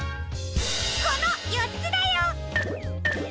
このよっつだよ！